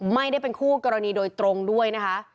ไม่ได้เป็นคู่กรณีโดยตรงด้วยนะคะ